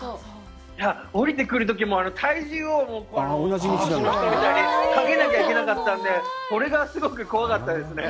おりてくるときも体重をかけなきゃいけなかったのでそれがすごく怖かったですね。